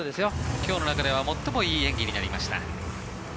今日の中では最もいい演技になりました。